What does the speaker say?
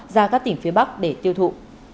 ra các tỉnh phía bắc để tiêu thụ